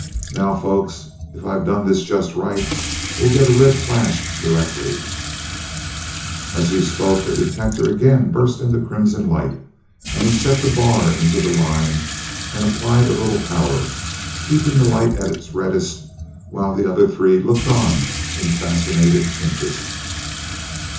"Now folks, if I've done this just right, we'll get a red flash directly." As he spoke the detector again burst into crimson light, and he set the bar into the line and applied a little power, keeping the light at its reddest while the other three looked on in fascinated interest.